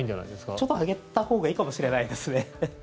ちょっと上げたほうがいいかもしれないですね。